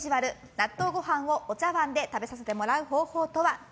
納豆ご飯をお茶わんで食べさせてもらう方法とは？